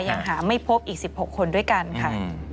ยังหาไม่พบอีก๑๖คนด้วยกันค่ะ